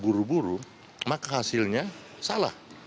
karena cara terburu buru maka hasilnya salah